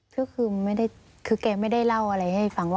ถ้าไม่ได้เขารับตำแหนว